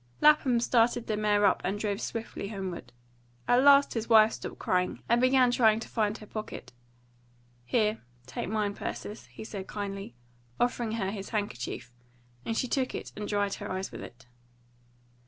Lapham started the mare up and drove swiftly homeward. At last his wife stopped crying and began trying to find her pocket. "Here, take mine, Persis," he said kindly, offering her his handkerchief, and she took it and dried her eyes with it.